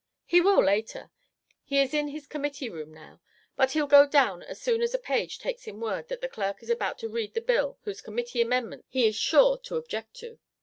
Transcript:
"He will, later. He is in his Committee room now, but he'll go down as soon as a page takes him word that the clerk is about to read the bill whose Committee amendments he is sure to object to.